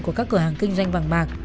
của các cửa hàng kinh doanh vàng bạc